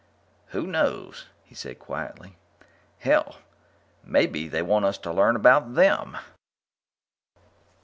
"Who knows?" he said quietly. "Hell, maybe they want us to learn about them!"